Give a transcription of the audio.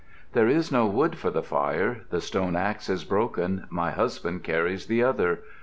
"There is no wood for the fire. The stone axe is broken, my husband carries the other.